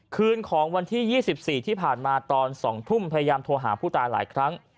คืนของวันที่๒๔ที่ผ่านมาตอน๒ทุ่มพยายามโทรหาผู้ตายหลายครั้ง